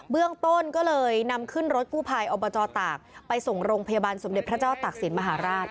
เรื่องต้นก็เลยนำขึ้นรถกู้ภัยอบจตากไปส่งโรงพยาบาลสมเด็จพระเจ้าตากศิลปมหาราช